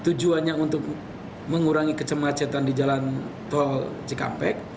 apakah banyak untuk mengurangi kecemacetan di jalan tol cekampek